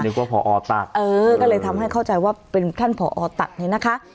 ว่าพอตัดเออก็เลยทำให้เข้าใจว่าเป็นท่านผอตัดเนี่ยนะคะ